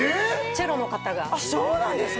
チェロの方があっそうなんですか